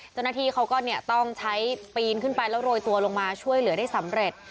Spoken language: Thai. เจ้าหน้าที่เขาก็ต้องใช้ปีนขึ้นไปแล้วโรยตัวลงมาช่วยเหลือได้สำเร็จ